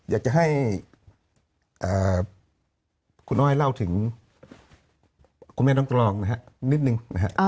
อยากจะให้คุณอ้อยเล่าถึงคุณแม่น้องตรองนะฮะนิดนึงนะฮะ